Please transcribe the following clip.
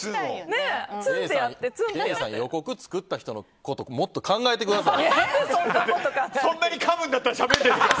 ケイさん、予告作った人のこともっと考えてくださいよ。